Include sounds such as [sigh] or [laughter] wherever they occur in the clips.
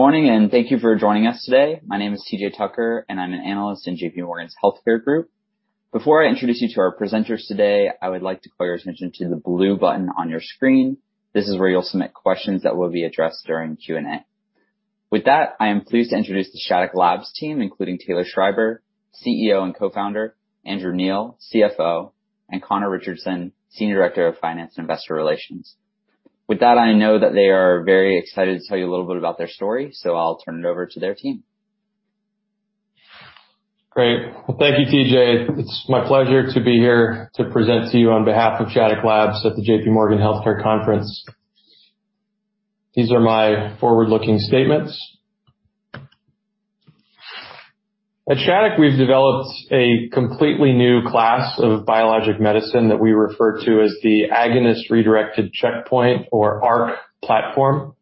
Morning, and thank you for joining us today. My name is TJ Tucker, and I'm an analyst in JPMorgan's Healthcare Group. Before I introduce you to our presenters today, I would like to call your attention to the blue button on your screen. This is where you'll submit questions that will be addressed during Q&A. With that, I am pleased to introduce the Shattuck Labs team, including Taylor Schreiber, CEO and co-founder, Andrew Neil, CFO, and Conor Richardson, Senior Director of Finance and Investor Relations. With that, I know that they are very excited to tell you a little bit about their story, so I'll turn it over to their team. Great. Well, thank you, TJ. It's my pleasure to be here to present to you on behalf of Shattuck Labs at the JPMorgan Healthcare Conference. These are my forward-looking statements. At Shattuck, we've developed a completely new class of biologic medicine that we refer to as the Agonist Redirected Checkpoint, or ARC platform.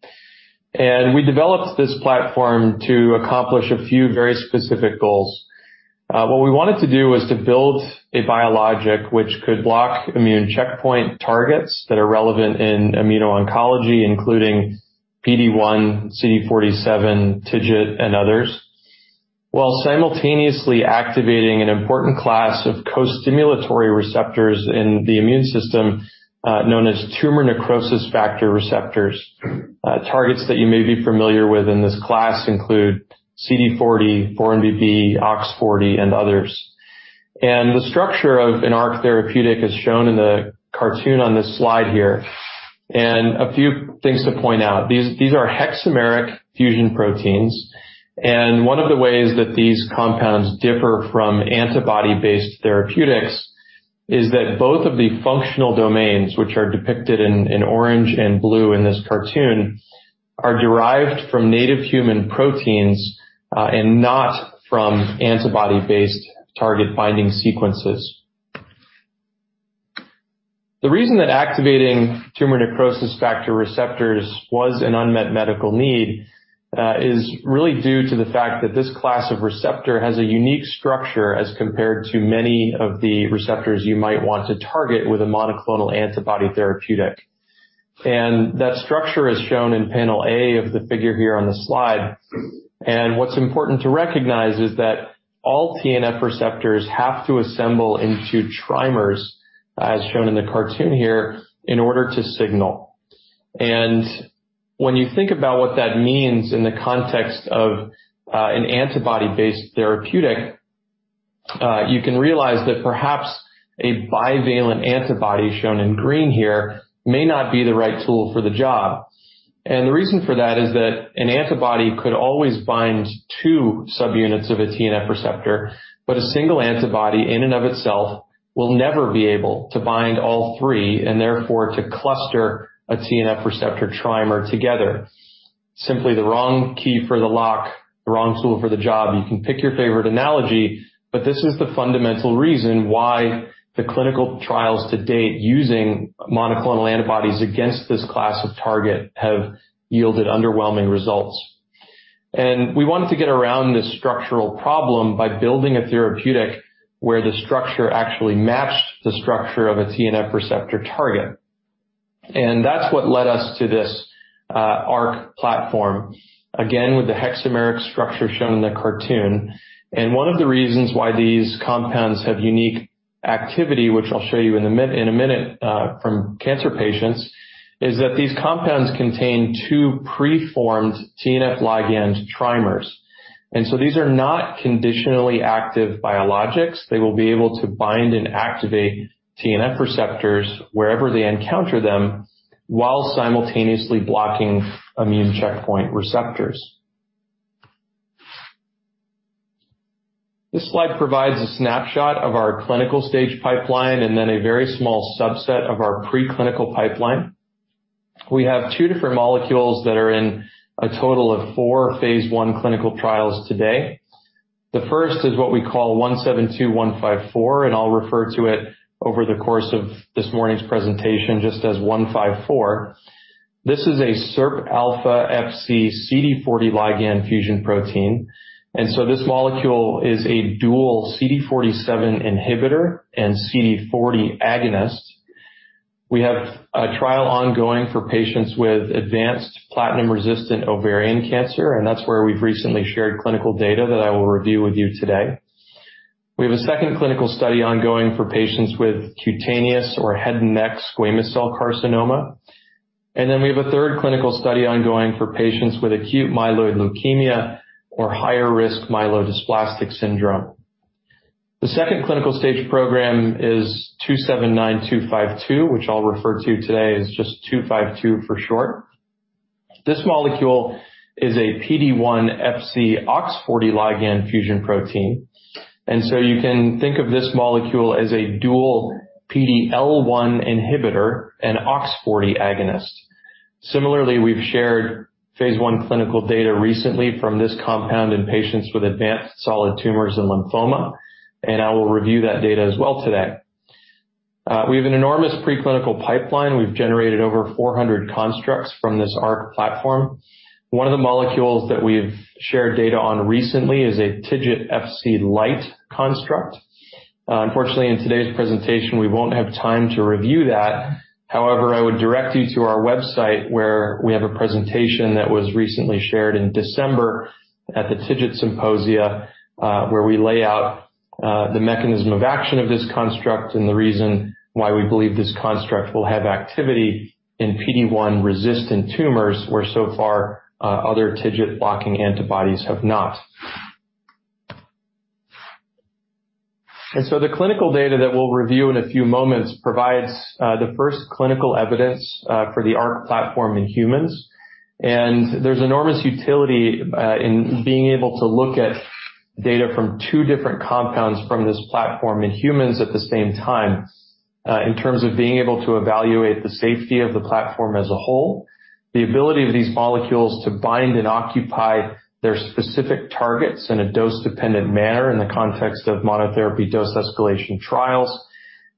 We developed this platform to accomplish a few very specific goals. What we wanted to do was to build a biologic which could block immune checkpoint targets that are relevant in immuno-oncology, including PD-1, CD47, TIGIT, and others, while simultaneously activating an important class of co-stimulatory receptors in the immune system, known as tumor necrosis factor receptors. Targets that you may be familiar with in this class include CD40, 4-1BB, OX40, and others. The structure of an ARC therapeutic is shown in the cartoon on this slide here. A few things to point out. These are hexameric fusion proteins, and one of the ways that these compounds differ from antibody-based therapeutics is that both of the functional domains, which are depicted in orange and blue in this cartoon, are derived from native human proteins and not from antibody-based target binding sequences. The reason that activating tumor necrosis factor receptors was an unmet medical need is really due to the fact that this class of receptor has a unique structure as compared to many of the receptors you might want to target with a monoclonal antibody therapeutic. That structure is shown in Panel A of the [inaudible] slide. What's important to recognize is that all TNF receptors have to assemble into trimers, as shown in the cartoon here, in order to signal. When you think about what that means in the context of, an antibody-based therapeutic, you can realize that perhaps a bivalent antibody, shown in green here, may not be the right tool for the job. The reason for that is that an antibody could always bind two subunits of a TNF receptor, but a single antibody in and of itself will never be able to bind all three, and therefore, to cluster a TNF receptor trimer together. Simply the wrong key for the lock, the wrong tool for the job. You can pick your favorite analogy, but this is the fundamental reason why the clinical trials to date using monoclonal antibodies against this class of target have yielded underwhelming results. We wanted to get around this structural problem by building a therapeutic where the structure actually matched the structure of a TNF receptor target. That's what led us to this, ARC platform. Again, with the hexameric structure shown in the cartoon. One of the reasons why these compounds have unique activity, which I'll show you in a minute, from cancer patients, is that these compounds contain two pre-formed TNF ligand trimers. These are not conditionally active biologics. They will be able to bind and activate TNF receptors wherever they encounter them while simultaneously blocking immune checkpoint receptors. This slide provides a snapshot of our clinical stage pipeline and then a very small subset of our preclinical pipeline. We have two different molecules that are in a total of four phase I clinical trials today. The first is what we call 172154, and I'll refer to it over the course of this morning's presentation just as 154. This is a SIRPα-Fc-CD40 ligand fusion protein. This molecule is a dual CD47 inhibitor and CD40 agonist. We have a trial ongoing for patients with advanced platinum-resistant ovarian cancer, and that's where we've recently shared clinical data that I will review with you today. We have a second clinical study ongoing for patients with cutaneous or head and neck squamous cell carcinoma. We have a third clinical study ongoing for patients with acute myeloid leukemia or higher risk myelodysplastic syndrome. The second clinical stage program is 279252, which I'll refer to today as just 252 for short. This molecule is a PD-1 Fc OX40 ligand fusion protein. You can think of this molecule as a dual PD-L1 inhibitor and OX40 agonist. Similarly, we've shared phase I clinical data recently from this compound in patients with advanced solid tumors and lymphoma, and I will review that data as well today. We have an enormous preclinical pipeline. We've generated over 400 constructs from this ARC platform. One of the molecules that we've shared data on recently is a TIGIT-Fc-LIGHT construct. Unfortunately, in today's presentation, we won't have time to review that. However, I would direct you to our website where we have a presentation that was recently shared in December at the TIGIT symposia, where we lay out the mechanism of action of this construct and the reason why we believe this construct will have activity in PD-1-resistant tumors, where so far other TIGIT blocking antibodies have not. The clinical data that we'll review in a few moments provides the first clinical evidence for the ARC platform in humans. There's enormous utility in being able to look at data from two different compounds from this platform in humans at the same time in terms of being able to evaluate the safety of the platform as a whole, the ability of these molecules to bind and occupy their specific targets in a dose-dependent manner in the context of monotherapy dose escalation trials,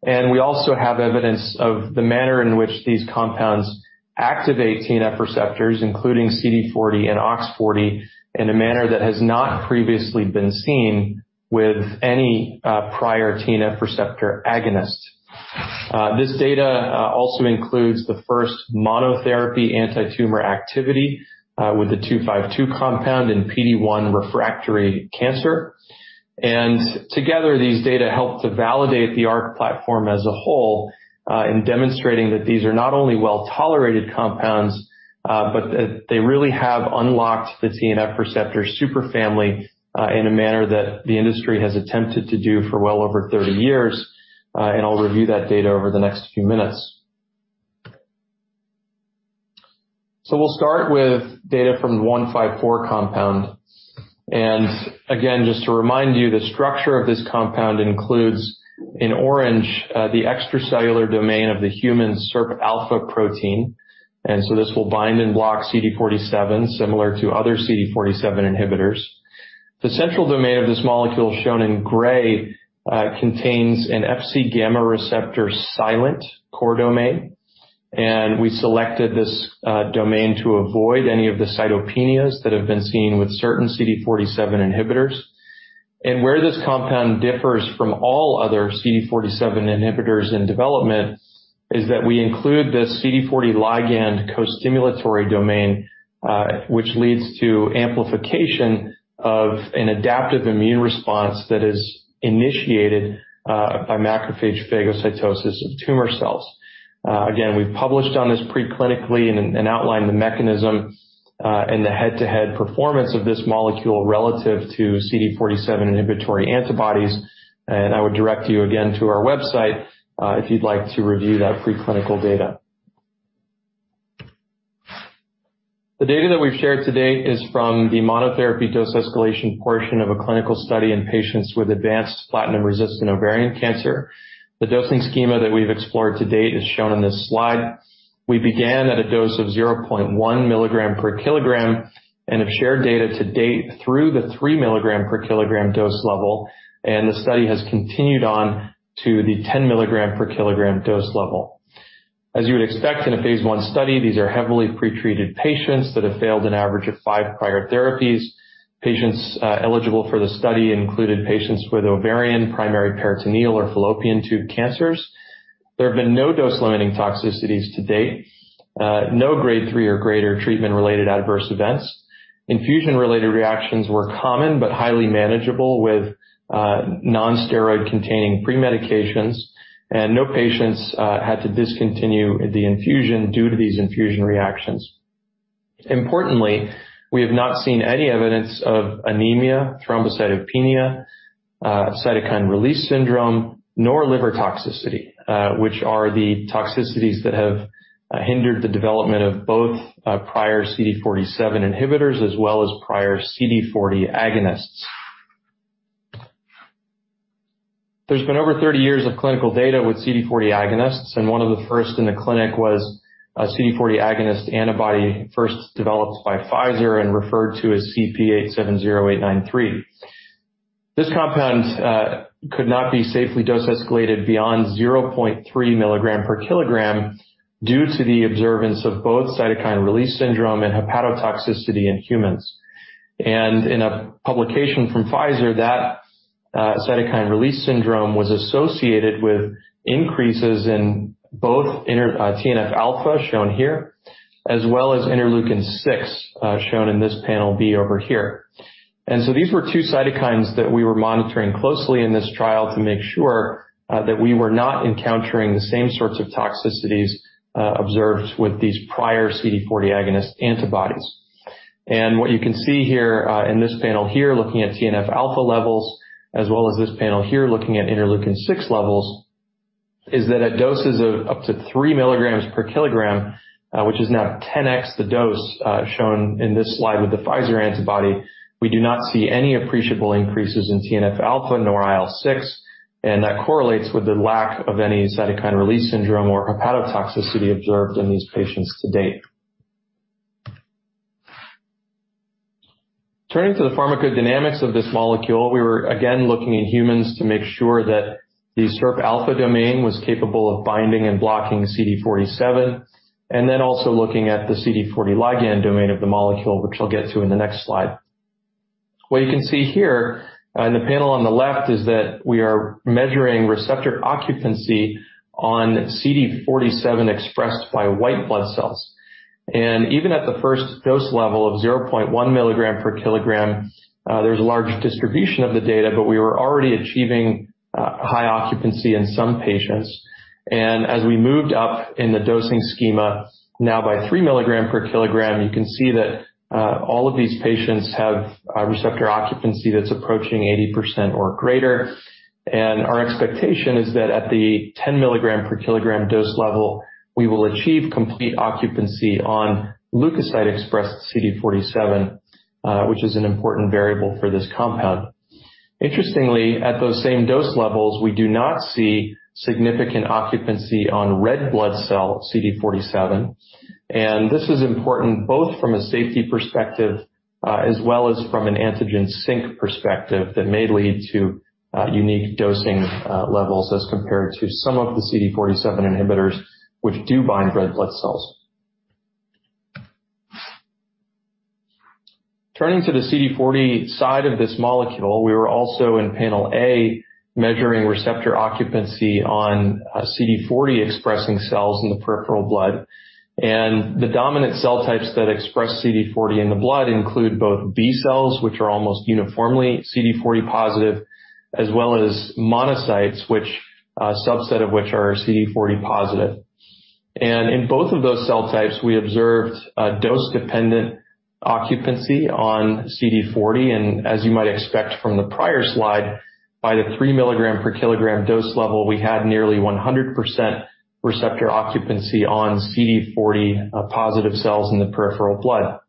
and we also have evidence of the manner in which these compounds activate TNF receptors, including CD40 and OX40, in a manner that has not previously been seen with any prior TNF receptor agonist. This data also includes the first monotherapy antitumor activity with the 252 compound in PD-1 refractory cancer. Together, these data help to validate the ARC platform as a whole, in demonstrating that these are not only well-tolerated compounds, but that they really have unlocked the TNF receptor superfamily, in a manner that the industry has attempted to do for well over 30 years, and I'll review that data over the next few minutes. We'll start with data from the 154 compound. Again, just to remind you, the structure of this compound includes, in orange, the extracellular domain of the human SIRP alpha protein, and so this will bind and block CD47 similar to other CD47 inhibitors. The central domain of this molecule, shown in gray, contains an Fc gamma receptor silent core domain, and we selected this domain to avoid any of the cytopenias that have been seen with certain CD47 inhibitors. Where this compound differs from all other CD47 inhibitors in development is that we include this CD40 ligand co-stimulatory domain, which leads to amplification of an adaptive immune response that is initiated by macrophage phagocytosis of tumor cells. Again, we've published on this preclinically and outlined the mechanism and the head-to-head performance of this molecule relative to CD47 inhibitory antibodies. I would direct you again to our website if you'd like to review that preclinical data. The data that we've shared to date is from the monotherapy dose escalation portion of a clinical study in patients with advanced platinum-resistant ovarian cancer. The dosing schema that we've explored to date is shown in this slide. We began at a dose of 0.1 mg/kg and have shared data to date through the 3 mg/kg dose level, and the study has continued on to the 10 mg/kg dose level. As you would expect in a phase I study, these are heavily pretreated patients that have failed an average of five prior therapies. Patients eligible for the study included patients with ovarian, primary peritoneal, or fallopian tube cancers. There have been no dose-limiting toxicities to date. No grade three or greater treatment-related adverse events. Infusion-related reactions were common but highly manageable with non-steroid-containing pre-medications, and no patients had to discontinue the infusion due to these infusion reactions. Importantly, we have not seen any evidence of anemia, thrombocytopenia, cytokine release syndrome, nor liver toxicity, which are the toxicities that have hindered the development of both prior CD47 inhibitors as well as prior CD40 agonists. There's been over 30 years of clinical data with CD40 agonists, and one of the first in the clinic was a CD40 agonist antibody first developed by Pfizer and referred to as CP-870,893. This compound could not be safely dose escalated beyond 0.3 milligram per kilogram due to the observance of both cytokine release syndrome and hepatotoxicity in humans. In a publication from Pfizer, that cytokine release syndrome was associated with increases in both TNF-α, shown here, as well as interleukin 6, shown in this panel B over here. These were two cytokines that we were monitoring closely in this trial to make sure that we were not encountering the same sorts of toxicities observed with these prior CD40 agonist antibodies. What you can see here in this panel here, looking at TNF-α levels, as well as this panel here, looking at IL-6 levels, is that at doses of up to 3 mg/kg, which is now 10x the dose shown in this slide with the Pfizer antibody, we do not see any appreciable increases in TNF-α nor IL-6, and that correlates with the lack of any cytokine release syndrome or hepatotoxicity observed in these patients to date. Turning to the pharmacodynamics of this molecule, we were again looking in humans to make sure that the SIRP alpha domain was capable of binding and blocking CD47. Also looking at the CD40 ligand domain of the molecule, which I'll get to in the next slide. What you can see here in the panel on the left is that we are measuring receptor occupancy on CD47 expressed by white blood cells. Even at the first dose level of 0.1 mg/kg, there's a large distribution of the data, but we were already achieving high occupancy in some patients. As we moved up in the dosing schema now by 3 mg/kg, you can see that all of these patients have a receptor occupancy that's approaching 80% or greater. Our expectation is that at the 10 mg/kg dose level, we will achieve complete occupancy on leukocyte-expressed CD47, which is an important variable for this compound. Interestingly, at those same dose levels, we do not see significant occupancy on red blood cell CD47. This is important both from a safety perspective, as well as from an antigen sink perspective that may lead to unique dosing levels as compared to some of the CD47 inhibitors which do bind red blood cells. Turning to the CD40 side of this molecule, we were also in Panel A measuring receptor occupancy on CD40-expressing cells in the peripheral blood. The dominant cell types that express CD40 in the blood include both B cells, which are almost uniformly CD40 positive, as well as monocytes, a subset of which are CD40 positive. In both of those cell types, we observed a dose-dependent occupancy on CD40. As you might expect from the prior slide, by the 3 mg/kg dose level, we had nearly 100% receptor occupancy on CD40-positive cells in the peripheral blood.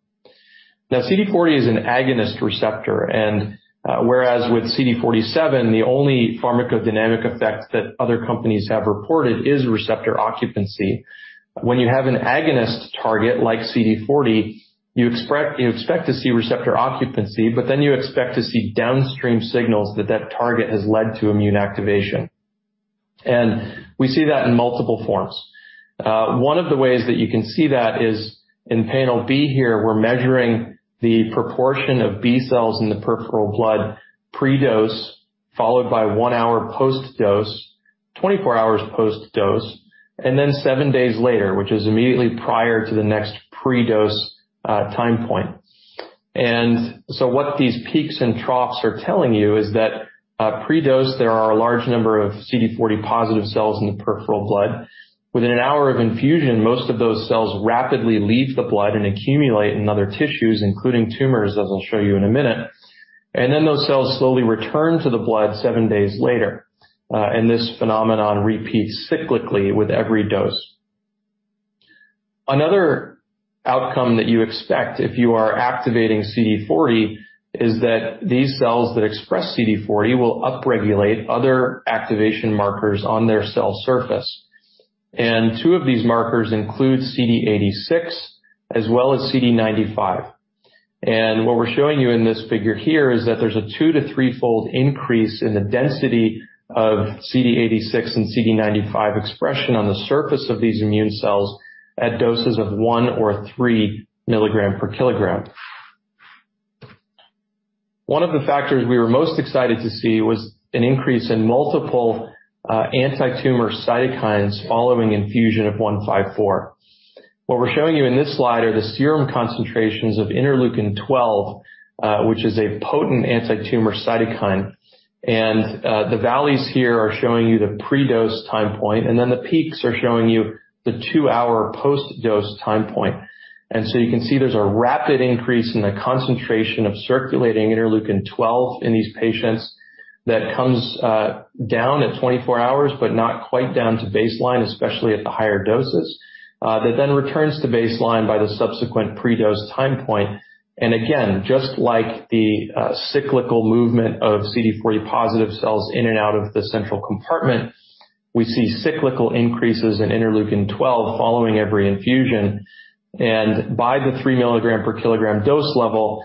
Now CD40 is an agonist receptor. Whereas with CD47, the only pharmacodynamic effect that other companies have reported is receptor occupancy. When you have an agonist target like CD40, you expect to see receptor occupancy, but then you expect to see downstream signals that target has led to immune activation. We see that in multiple forms. One of the ways that you can see that is in panel B here. We're measuring the proportion of B cells in the peripheral blood pre-dose, followed by one hour post-dose, 24 hours post-dose, and then seven days later, which is immediately prior to the next pre-dose time point. What these peaks and troughs are telling you is that pre-dose, there are a large number of CD40 positive cells in the peripheral blood. Within an hour of infusion, most of those cells rapidly leave the blood and accumulate in other tissues, including tumors, as I'll show you in a minute. Those cells slowly return to the blood seven days later. This phenomenon repeats cyclically with every dose. Another outcome that you expect if you are activating CD40 is that these cells that express CD40 will upregulate other activation markers on their cell surface. Two of these markers include CD86 as well as CD95. What we're showing you in this figure here is that there's a 2- to 3-fold increase in the density of CD86 and CD95 expression on the surface of these immune cells at doses of 1 or 3 mg/kg. One of the factors we were most excited to see was an increase in multiple antitumor cytokines following infusion of 154. What we're showing you in this slide are the serum concentrations of interleukin 12, which is a potent antitumor cytokine. The valleys here are showing you the pre-dose time point, and then the peaks are showing you the 2-hour post-dose time point. You can see there's a rapid increase in the concentration of circulating interleukin 12 in these patients that comes down at 24 hours, but not quite down to baseline, especially at the higher doses, that then returns to baseline by the subsequent pre-dose time point. Just like the cyclical movement of CD40-positive cells in and out of the central compartment, we see cyclical increases in interleukin 12 following every infusion. By the 3 mg/kg dose level,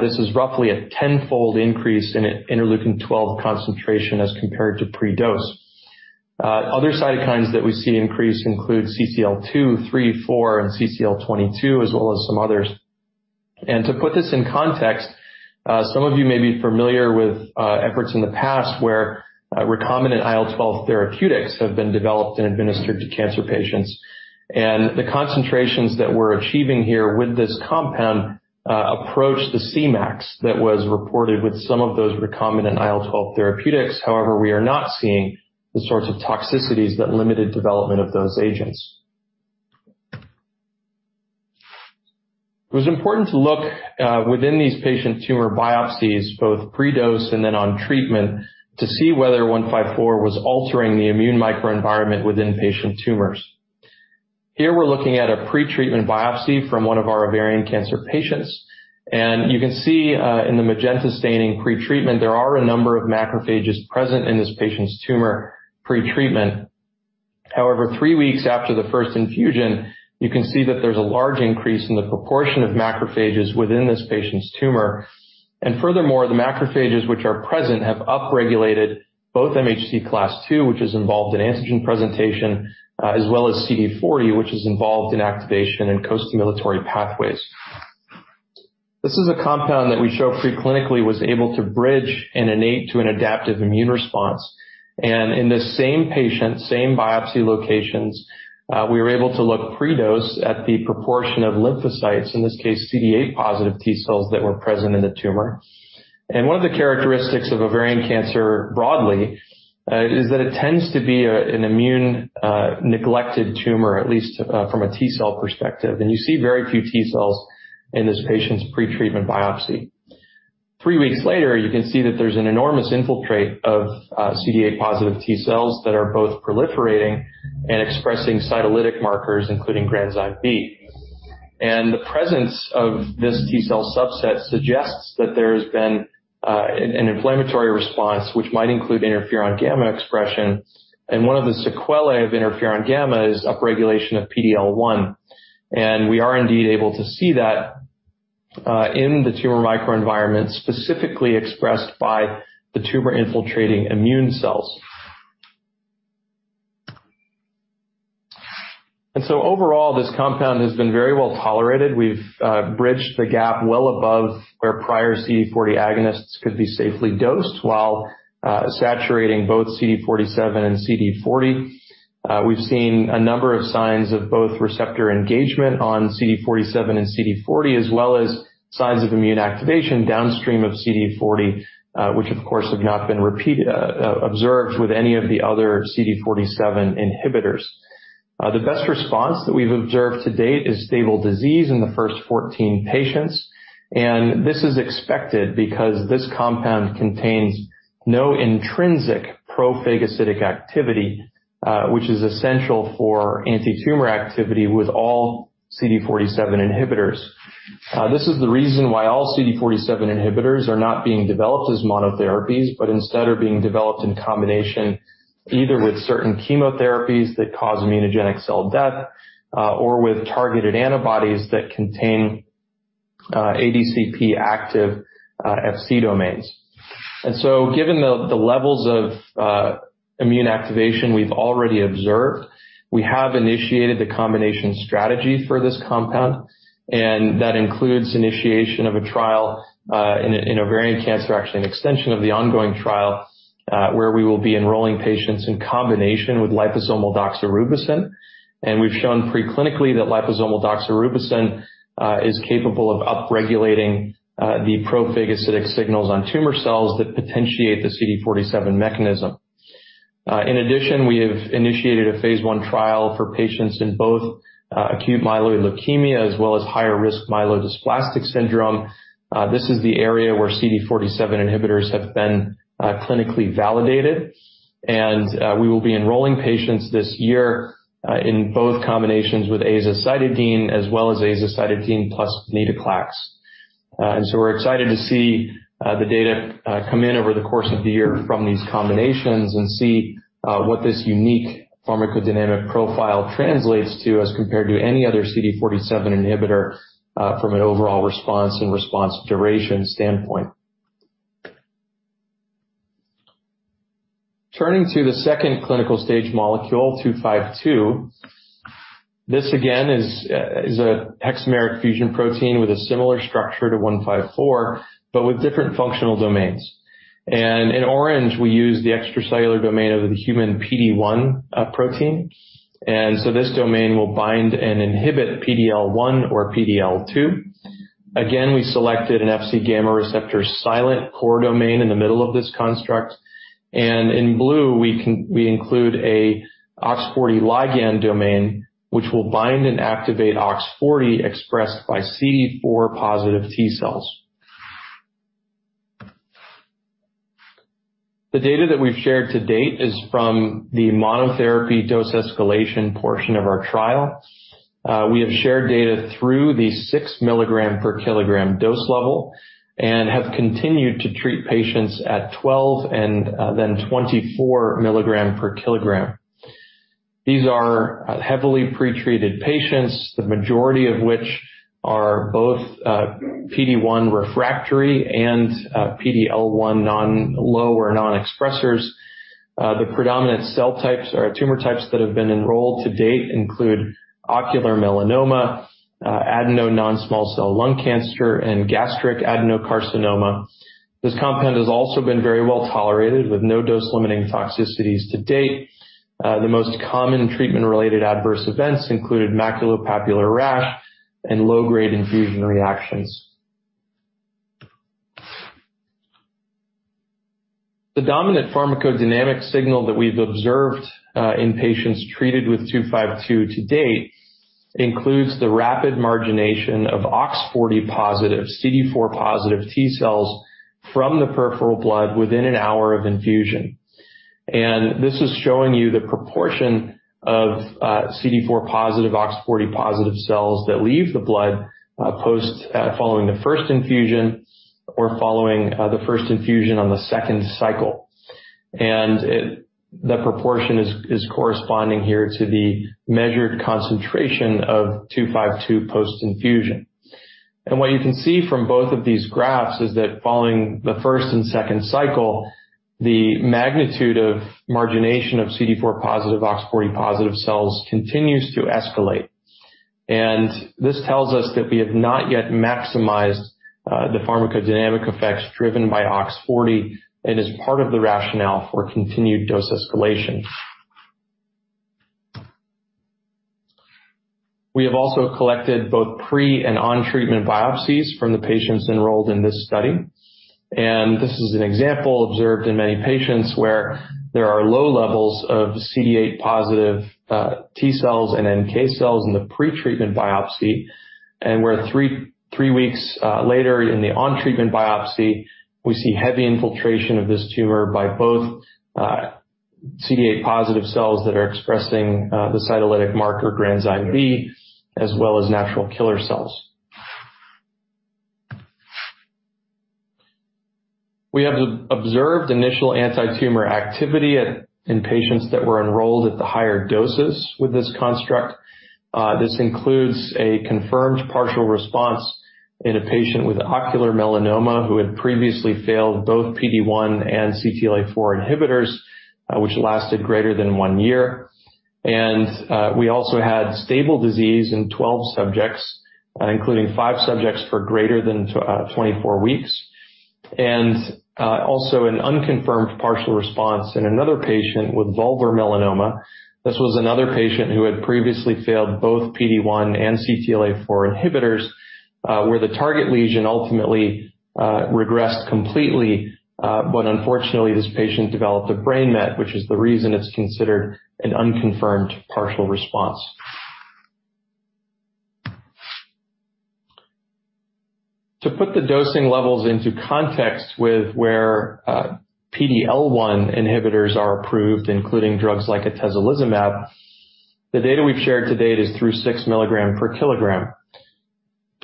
this is roughly a tenfold increase in interleukin 12 concentration as compared to pre-dose. Other cytokines that we see increase include CCL2, CCL3, CCL4, and CCL22, as well as some others. To put this in context, some of you may be familiar with efforts in the past where recombinant IL-12 therapeutics have been developed and administered to cancer patients. The concentrations that we're achieving here with this compound approach the Cmax that was reported with some of those recombinant IL-12 therapeutics. However, we are not seeing the sorts of toxicities that limited development of those agents. It was important to look within these patient tumor biopsies, both pre-dose and then on treatment, to see whether 154 was altering the immune microenvironment within patient tumors. Here we're looking at a pretreatment biopsy from one of our ovarian cancer patients. You can see in the magenta staining pretreatment, there are a number of macrophages present in this patient's tumor pretreatment. However, three weeks after the first infusion, you can see that there's a large increase in the proportion of macrophages within this patient's tumor. Furthermore, the macrophages which are present have upregulated both MHC class II, which is involved in antigen presentation, as well as CD40, which is involved in activation and co-stimulatory pathways. This is a compound that we show pre-clinically was able to bridge an innate to an adaptive immune response. In this same patient, same biopsy locations, we were able to look pre-dose at the proportion of lymphocytes, in this case CD8-positive T cells that were present in the tumor. One of the characteristics of ovarian cancer broadly is that it tends to be an immune neglected tumor, at least from a T cell perspective. You see very few T cells in this patient's pre-treatment biopsy. Three weeks later, you can see that there's an enormous infiltrate of CD8-positive T cells that are both proliferating and expressing cytolytic markers, including granzyme B. The presence of this T cell subset suggests that there has been an inflammatory response which might include interferon gamma expression. One of the sequelae of interferon gamma is upregulation of PD-L1. We are indeed able to see that in the tumor microenvironment, specifically expressed by the tumor-infiltrating immune cells. Overall, this compound has been very well tolerated. We've bridged the gap well above where prior CD40 agonists could be safely dosed while saturating both CD47 and CD40. We've seen a number of signs of both receptor engagement on CD47 and CD40, as well as signs of immune activation downstream of CD40, which of course have not been observed with any of the other CD47 inhibitors. The best response that we've observed to date is stable disease in the first 14 patients, and this is expected because this compound contains no intrinsic pro-phagocytic activity, which is essential for antitumor activity with all CD47 inhibitors. This is the reason why all CD47 inhibitors are not being developed as monotherapies, but instead are being developed in combination either with certain chemotherapies that cause immunogenic cell death, or with targeted antibodies that contain ADCP active Fc domains. Given the levels of immune activation we've already observed, we have initiated the combination strategy for this compound, and that includes initiation of a trial in ovarian cancer, actually an extension of the ongoing trial, where we will be enrolling patients in combination with liposomal doxorubicin. We've shown pre-clinically that liposomal doxorubicin is capable of upregulating the pro-phagocytic signals on tumor cells that potentiate the CD47 mechanism. In addition, we have initiated a phase I trial for patients in both acute myeloid leukemia as well as higher risk myelodysplastic syndrome. This is the area where CD47 inhibitors have been clinically validated, and we will be enrolling patients this year in both combinations with azacitidine as well as azacitidine plus venetoclax. We're excited to see the data come in over the course of the year from these combinations and see what this unique pharmacodynamic profile translates to as compared to any other CD47 inhibitor from an overall response and response duration standpoint. Turning to the second clinical-stage molecule, SL-279252. This again is a hexameric fusion protein with a similar structure to SL-172154, but with different functional domains. In orange, we use the extracellular domain of the human PD-1 protein. This domain will bind and inhibit PD-L1 or PD-L2. Again, we selected an Fc gamma receptor silent core domain in the middle of this construct. In blue, we include an OX40 ligand domain which will bind and activate OX40 expressed by CD4-positive T cells. The data that we've shared to date is from the monotherapy dose escalation portion of our trial. We have shared data through the 6 mg/kg dose level and have continued to treat patients at 12 and 24 mg/kg. These are heavily pre-treated patients, the majority of which are both PD-1 refractory and PD-L1 low or non-expressers. The predominant cell types or tumor types that have been enrolled to date include ocular melanoma, adenocarcinoma non-small cell lung cancer, and gastric adenocarcinoma. This compound has also been very well tolerated with no dose-limiting toxicities to date. The most common treatment-related adverse events included maculopapular rah and low-grade infusion reactions. The dominant pharmacodynamic signal that we've observed in patients treated with 252 to date includes the rapid margination of OX40-positive, CD4-positive T cells from the peripheral blood within an hour of infusion. This is showing you the proportion of CD4-positive, OX40-positive cells that leave the blood post following the first infusion or following the first infusion on the second cycle. The proportion is corresponding here to the measured concentration of 252 post-infusion. What you can see from both of these graphs is that following the first and second cycle, the magnitude of margination of CD4-positive OX40-positive cells continues to escalate. This tells us that we have not yet maximized the pharmacodynamic effects driven by OX40 and is part of the rationale for continued dose escalation. We have also collected both pre- and on-treatment biopsies from the patients enrolled in this study. This is an example observed in many patients where there are low levels of CD8-positive T cells and NK cells in the pretreatment biopsy. Where three weeks later in the on-treatment biopsy, we see heavy infiltration of this tumor by both CD8-positive cells that are expressing the cytolytic marker granzyme B as well as natural killer cells. We have observed initial antitumor activity in patients that were enrolled at the higher doses with this construct. This includes a confirmed partial response in a patient with ocular melanoma who had previously failed both PD-1 and CTLA-4 inhibitors, which lasted greater than one year. We also had stable disease in 12 subjects, including five subjects for greater than 24 weeks. We also had an unconfirmed partial response in another patient with vulvar melanoma. This was another patient who had previously failed both PD-1 and CTLA-4 inhibitors, where the target lesion ultimately regressed completely, but unfortunately, this patient developed a brain met, which is the reason it's considered an unconfirmed partial response. To put the dosing levels into context with where PD-L1 inhibitors are approved, including drugs like atezolizumab, the data we've shared to date is through 6 mg/kg.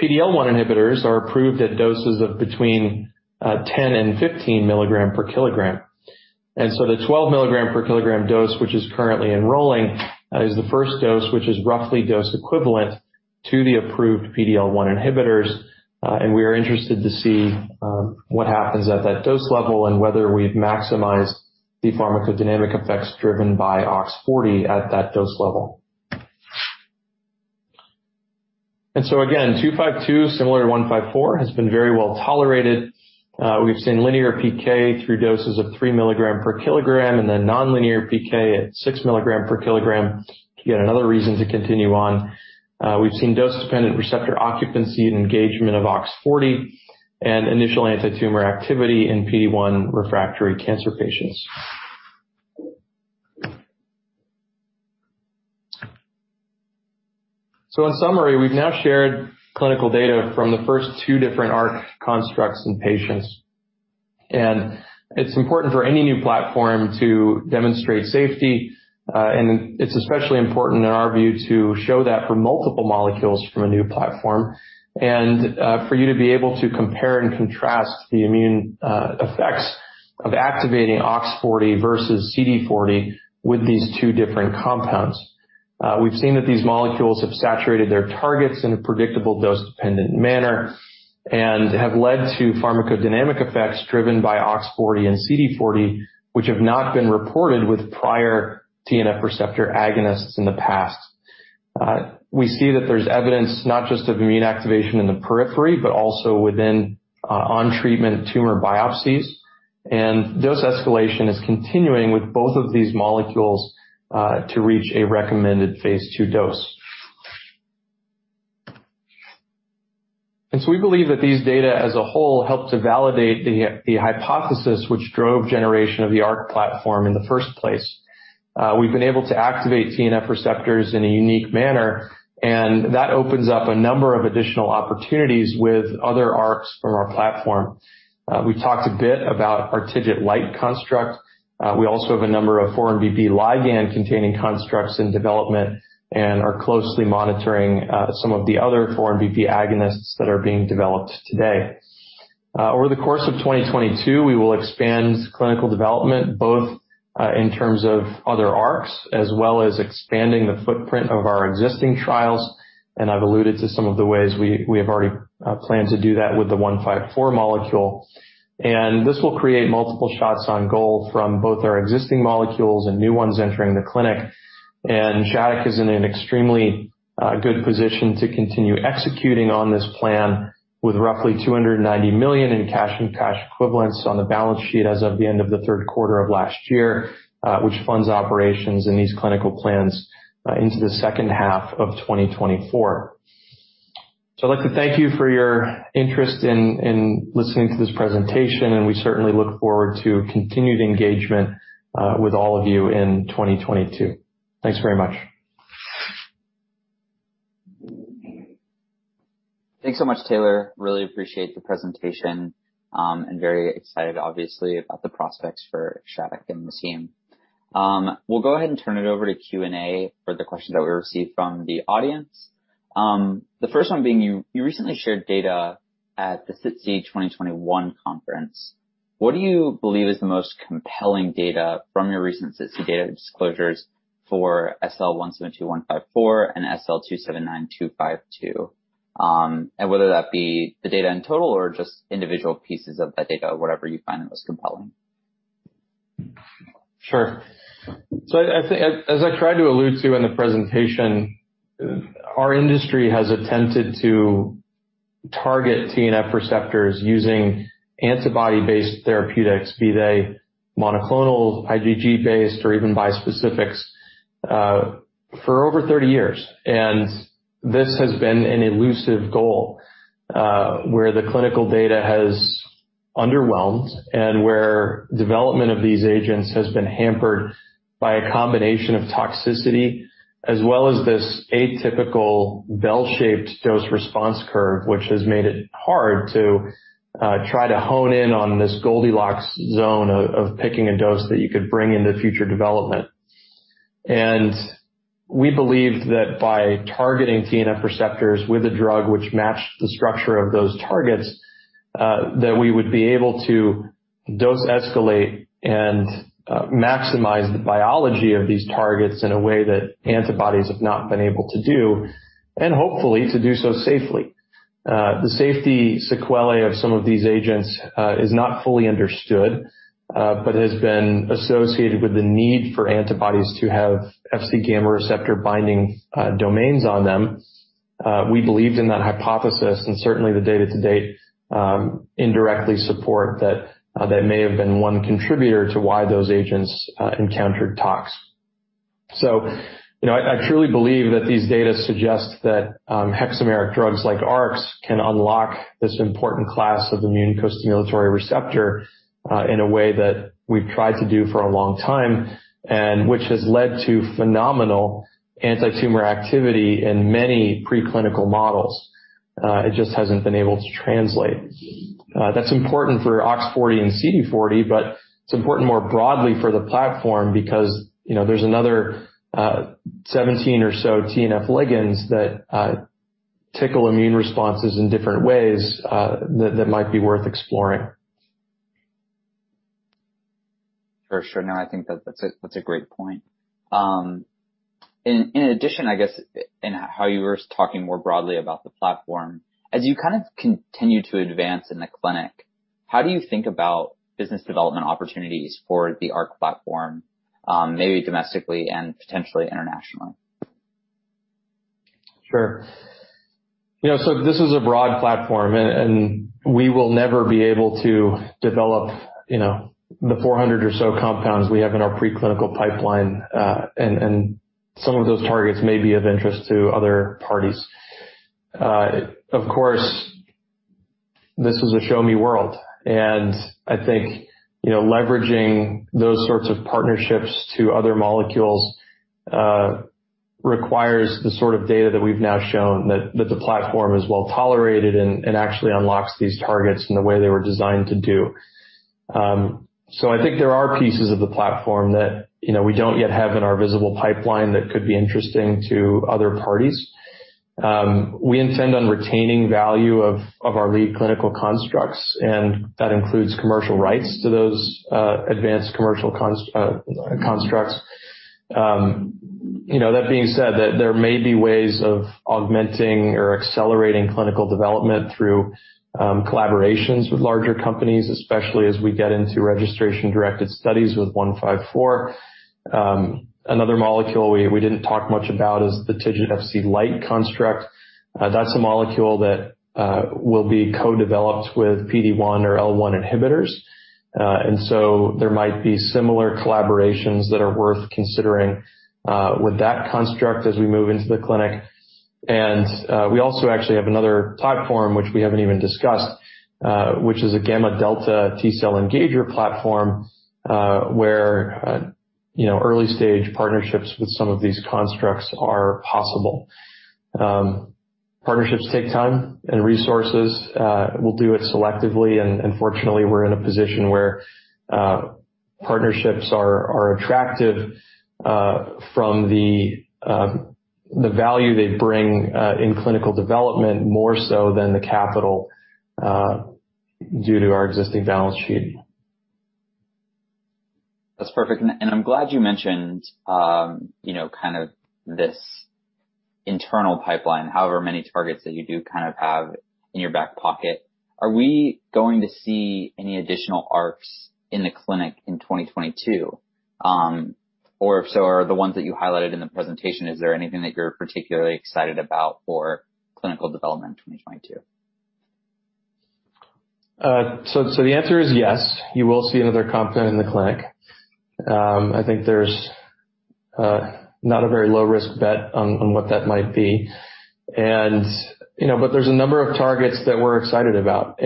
PD-L1 inhibitors are approved at doses of between 10-15 mg/kg. The 12 mg/kg dose, which is currently enrolling, is the first dose, which is roughly dose equivalent to the approved PD-L1 inhibitors. We are interested to see what happens at that dose level and whether we've maximized the pharmacodynamic effects driven by OX40 at that dose level. Again, 252, similar to 154, has been very well tolerated. We've seen linear PK through doses of 3 milligrams per kilogram and then nonlinear PK at 6 milligrams per kilogram. Yet another reason to continue on. We've seen dose-dependent receptor occupancy and engagement of OX40 and initial antitumor activity in PD-1 refractory cancer patients. In summary, we've now shared clinical data from the first two different ARC constructs in patients. It's important for any new platform to demonstrate safety, and it's especially important in our view to show that for multiple molecules from a new platform. For you to be able to compare and contrast the immune effects of activating OX40 versus CD40 with these two different compounds. We've seen that these molecules have saturated their targets in a predictable dose-dependent manner and have led to pharmacodynamic effects driven by OX40 and CD40, which have not been reported with prior TNF receptor agonists in the past. We see that there's evidence not just of immune activation in the periphery, but also within on treatment tumor biopsies. Dose escalation is continuing with both of these molecules to reach a recommended phase II dose. We believe that these data as a whole help to validate the hypothesis which drove generation of the ARC platform in the first place. We've been able to activate TNF receptors in a unique manner, and that opens up a number of additional opportunities with other ARCs from our platform. We talked a bit about our TIGIT-LIGHT construct. We also have a number of 4-1BB ligand-containing constructs in development and are closely monitoring some of the other 4-1BB agonists that are being developed today. Over the course of 2022, we will expand clinical development, both in terms of other ARCs as well as expanding the footprint of our existing trials. I've alluded to some of the ways we have already planned to do that with the 154 molecule. This will create multiple shots on goal from both our existing molecules and new ones entering the clinic. Shattuck is in an extremely good position to continue executing on this plan with roughly $290 million in cash and cash equivalents on the balance sheet as of the end of the third quarter of last year, which funds operations and these clinical plans into the second half of 2024. I'd like to thank you for your interest in listening to this presentation, and we certainly look forward to continued engagement with all of you in 2022. Thanks very much. Thanks so much, Taylor. Really appreciate the presentation, and very excited obviously about the prospects for Shattuck and the team. We'll go ahead and turn it over to Q&A for the questions that we received from the audience. The first one being you recently shared data at the SITC 2021 conference. What do you believe is the most compelling data from your recent SITC data disclosures for SL172154 and SL279252? Whether that be the data in total or just individual pieces of that data, whatever you find the most compelling. I think, as I tried to allude to in the presentation, our industry has attempted to target TNF receptors using antibody-based therapeutics, be they monoclonal, IgG-based, or even bispecifics, for over 30 years. This has been an elusive goal, where the clinical data has underwhelmed and where development of these agents has been hampered by a combination of toxicity as well as this atypical bell-shaped dose response curve, which has made it hard to try to hone in on this Goldilocks zone of picking a dose that you could bring into future development. We believed that by targeting TNF receptors with a drug which matched the structure of those targets, that we would be able to dose escalate and maximize the biology of these targets in a way that antibodies have not been able to do, and hopefully to do so safely. The safety sequelae of some of these agents is not fully understood, but has been associated with the need for antibodies to have Fc gamma receptor binding domains on them. We believed in that hypothesis, and certainly the data to date indirectly support that that may have been one contributor to why those agents encountered tox. You know, I truly believe that these data suggest that hexameric drugs like ARCs can unlock this important class of immune costimulatory receptor in a way that we've tried to do for a long time and which has led to phenomenal antitumor activity in many preclinical models. It just hasn't been able to translate. That's important for OX40 and CD40, but it's important more broadly for the platform because, you know, there's another 17 or so TNF ligands that tickle immune responses in different ways that might be worth exploring. For sure. No, I think that's a great point. In addition, I guess in how you were talking more broadly about the platform, as you kind of continue to advance in the clinic, how do you think about business development opportunities for the ARC platform, maybe domestically and potentially internationally? Sure. You know, so this is a broad platform and we will never be able to develop, you know, the 400 or so compounds we have in our preclinical pipeline. Some of those targets may be of interest to other parties. Of course, this is a show me world, and I think, you know, leveraging those sorts of partnerships to other molecules requires the sort of data that we've now shown that the platform is well-tolerated and actually unlocks these targets in the way they were designed to do. I think there are pieces of the platform that, you know, we don't yet have in our visible pipeline that could be interesting to other parties. We intend on retaining value of our lead clinical constructs, and that includes commercial rights to those advanced commercial constructs. You know, that being said that there may be ways of augmenting or accelerating clinical development through collaborations with larger companies, especially as we get into registration-directed studies with SL-172154. Another molecule we didn't talk much about is the TIGIT-Fc-LIGHT construct. That's a molecule that will be co-developed with PD-1 or PD-L1 inhibitors. There might be similar collaborations that are worth considering with that construct as we move into the clinic. We also actually have another platform which we haven't even discussed, which is a Gamma Delta T-cell engager platform, where you know, early-stage partnerships with some of these constructs are possible. Partnerships take time and resources. We'll do it selectively, and fortunately, we're in a position where partnerships are attractive from the value they bring in clinical development, more so than the capital due to our existing balance sheet. That's perfect. I'm glad you mentioned, you know, kind of this internal pipeline, however many targets that you do kind of have in your back pocket. Are we going to see any additional ARCs in the clinic in 2022? Or if so, are the ones that you highlighted in the presentation, is there anything that you're particularly excited about for clinical development in 2022? The answer is yes, you will see another compound in the clinic. I think there's not a very low-risk bet on what that might be. You know, but there's a number of targets that we're excited about.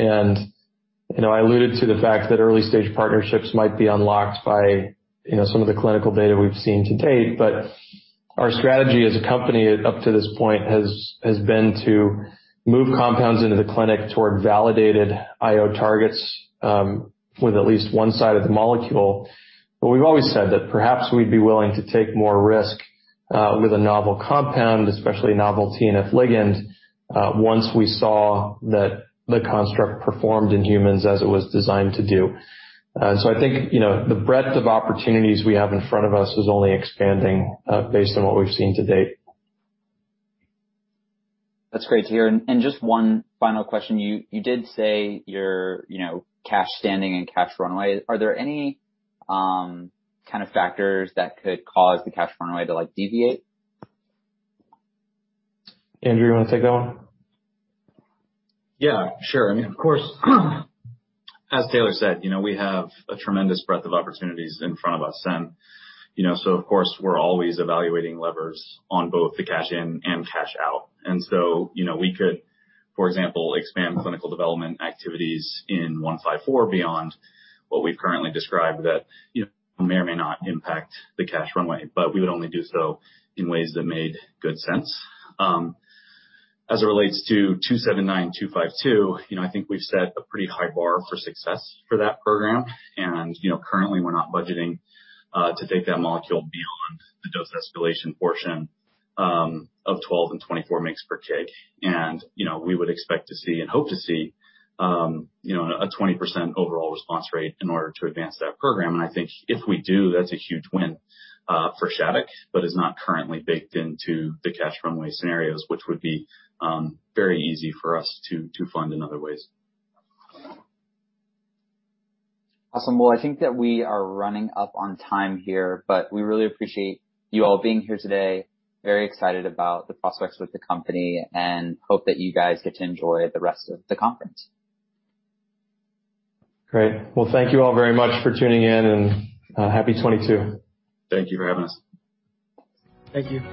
You know, I alluded to the fact that early-stage partnerships might be unlocked by, you know, some of the clinical data we've seen to date, but our strategy as a company up to this point has been to move compounds into the clinic toward validated IO targets with at least one side of the molecule. We've always said that perhaps we'd be willing to take more risk with a novel compound, especially a novel TNF ligand, once we saw that the construct performed in humans as it was designed to do. I think, you know, the breadth of opportunities we have in front of us is only expanding, based on what we've seen to date. That's great to hear. Just one final question. You did say your, you know, cash position and cash runway. Are there any, kind of factors that could cause the cash runway to, like, deviate? Andrew, you wanna take that one? Yeah, sure. I mean, of course, as Taylor said, you know, we have a tremendous breadth of opportunities in front of us. You know, so of course, we're always evaluating levers on both the cash in and cash out. You know, we could, for example, expand clinical development activities in 154 beyond what we've currently described that, you know, may or may not impact the cash runway. We would only do so in ways that made good sense. As it relates to 279252, you know, I think we've set a pretty high bar for success for that program. You know, currently, we're not budgeting to take that molecule beyond the dose escalation portion of 12 and 24 mg/kg. You know, we would expect to see and hope to see, you know, a 20% overall response rate in order to advance that program. I think if we do, that's a huge win for Shattuck, but is not currently baked into the cash runway scenarios, which would be very easy for us to fund in other ways. Awesome. Well, I think that we are running up on time here, but we really appreciate you all being here today. Very excited about the prospects with the company, and hope that you guys get to enjoy the rest of the conference. Great. Well, thank you all very much for tuning in, and happy 2022. Thank you for having us. Thank you.